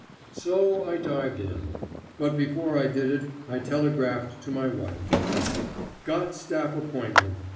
So I dived in. But before I did it I telegraphed to my wife: "Got staff appointment.